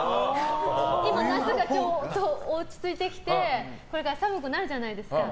今、夏がちょうど落ち着いてきてこれから寒くなるじゃないですか。